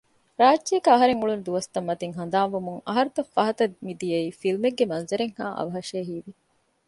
ރާއްޖޭގައި އަހަރެން އުޅުނު ދުވަސްތައް މަތީން ހަނދާން ވުމުން އަހަރުތައް ފަހަތަށް މިދިޔައީ ފިލްމެއްގެ މަންޒަރެއްހައި އަވަހަށޭ ހީވި